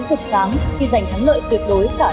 rất sáng khi giành thắng lợi tuyệt đối